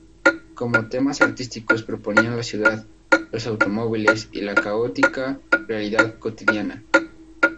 Como temas artísticos proponían la ciudad, los automóviles y la caótica realidad cotidiana.